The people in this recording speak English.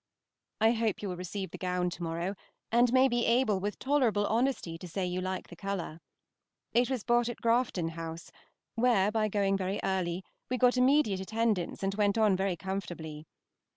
I hope you will receive the gown to morrow, and may be able with tolerable honesty to say that you like the color. It was bought at Grafton House, where, by going very early, we got immediate attendance and went on very comfortably.